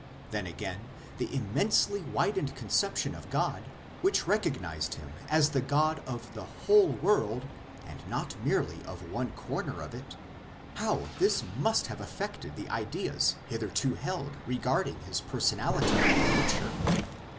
Then, again, the immensely widened conception of God, which recognized Him as the God of the whole world, and not merely of one corner of it, how this must have affected the ideas hitherto held regarding His personality and nature